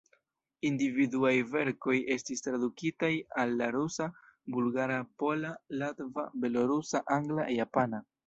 Individuaj verkoj estis tradukitaj al la rusa, bulgara, pola, latva, belorusa, angla, japana.